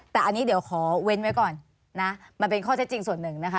แต่อันนี้เดี๋ยวขอเว้นไว้ก่อนนะมันเป็นข้อเท็จจริงส่วนหนึ่งนะคะ